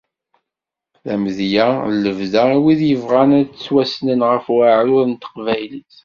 D amedya n lebda i wid yebɣan ad ttwassnen ɣef uɛrur n Teqbaylit.